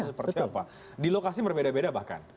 seperti apa di lokasi berbeda beda bahkan